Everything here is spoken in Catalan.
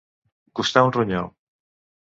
Costar un ronyó.